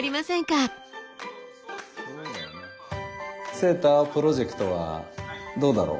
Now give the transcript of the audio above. セータープロジェクトはどうだろう？